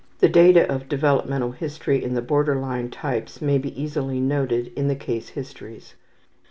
The data of developmental history in the border line types may be easily noted in the case histories.